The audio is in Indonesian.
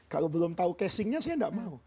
kalau belum tahu casingnya saya tidak mau